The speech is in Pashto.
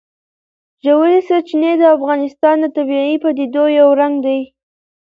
ژورې سرچینې د افغانستان د طبیعي پدیدو یو رنګ دی.